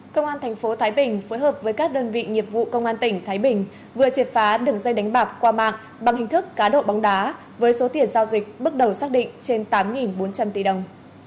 công an thành phố thái bình phối hợp với các đơn vị nghiệp vụ công an tỉnh thái bình vừa triệt phá đường dây đánh bạc qua mạng bằng hình thức cá độ bóng đá với số tiền giao dịch bước đầu xác định trên tám bốn trăm linh tỷ đồng